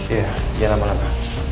iya jangan lama lama